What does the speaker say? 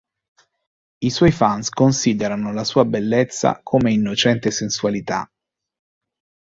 I suoi fans considerano la sua bellezza come "innocente sensualità".